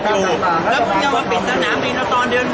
อาหรับเชี่ยวจามันไม่มีควรหยุด